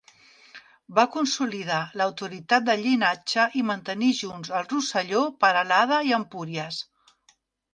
Va consolidar l'autoritat del llinatge i mantenir junts el Rosselló, Peralada i Empúries.